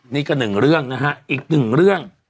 นี่ก็หนึ่งเรื่องนะฮะอีกหนึ่งเรื่อง